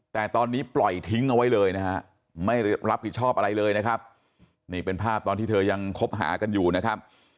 แต่ตอนนี้ปล่อยทิ้งเอาไว้เลยนะฮะไม่รับผิดชอบอะไรเลยนะครับนี่เป็นภาพตอนที่เธอยังคบหากันอยู่นะครับ